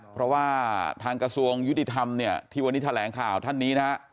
เพราะว่าทางกระทรวงยุติธรรมเนี่ยที่วันนี้แถลงข่าวท่านนี้นะฮะ